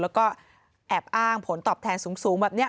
แล้วก็แอบอ้างผลตอบแทนสูงแบบนี้